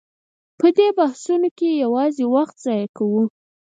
په دې بحثونو کې یوازې وخت ضایع کوو.